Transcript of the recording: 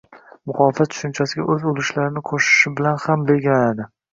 “muxolifat” tushunchasiga o‘z ulushlarini qo‘shishi bilan ham belgilanadi.